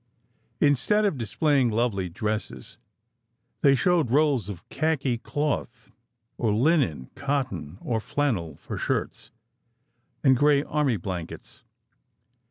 Instead of displaying lovely dresses, they showed rolls of khaki cloth, or linen, cotton, or flannel for shirts, and gray army blankets.